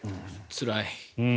つらい。